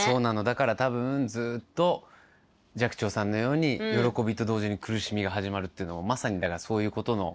だから多分ずっと寂聴さんのように「喜びと同時に苦しみが始まる」っていうのもまさにだからそういうことの。